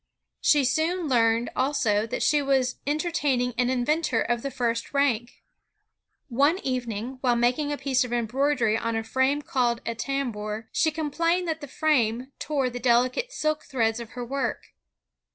She soon learned also that she was entertaining an inventor of the &^t rank. One evening, while making a piece of embroidery on a frame called a tambour, she complained that the frame tore the deUcate silk threads of her work.